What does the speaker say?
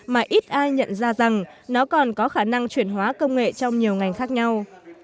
mà ít ai nhận ra rằng nó còn có khả năng chuyển hóa công nghệ trong nhiều ngành khác nhau